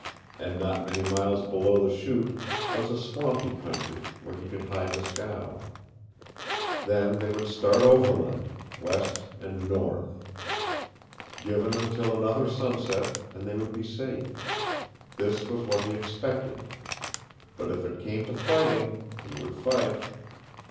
And not many miles below the Chute was a swampy country where he could hide the scow. Then they would start overland, west and north. Given until another sunset, and they would be safe. This was what he expected. But if it came to fighting he would fight.